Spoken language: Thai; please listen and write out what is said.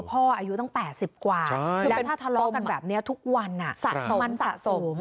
อายุตั้ง๘๐กว่าคือแล้วถ้าทะเลาะกันแบบนี้ทุกวันมันสะสม